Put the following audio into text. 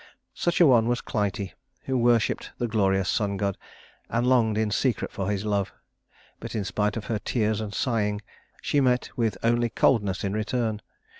Such a one was Clytie, who worshiped the glorious sun god, and longed in secret for his love; but in spite of her tears and sighing she met with only coldness in return.